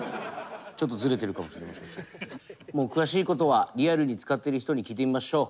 もう詳しいことはリアルに使ってる人に聞いてみましょう。